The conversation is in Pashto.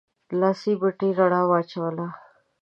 لاسي بتۍ رڼا واچوله.